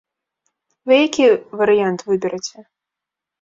Вы які варыянт выбераце?